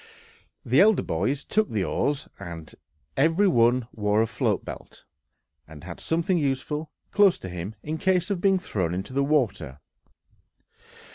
The elder boys took the oars; every one wore a float belt, and had something useful close to him in case of being thrown into the water.